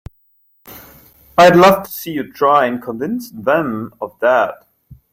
I'd love to see you try and convince them of that!